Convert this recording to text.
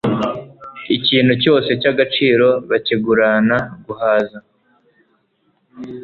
Ikintu cyose cyagaciro bakigurana guhaza